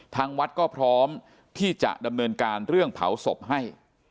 ทางวัดก็พร้อมที่จะดำเนินการเรื่องเผาศพให้